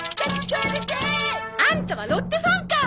あんたはロッテファンか！